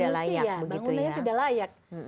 bangunannya tidak layak begitu ya